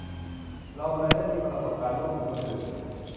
เราเลยได้มีประสบการณ์ร่วมกับคนอื่น